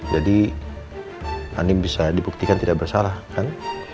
jadi andi bisa dibuktikan tidak bersalah kan